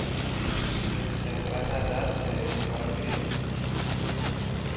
Desde temprana edad se dedicó al periodismo.